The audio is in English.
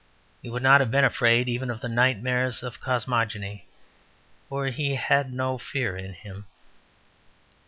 He would not have been afraid even of the nightmares of cosmogony, for he had no fear in him.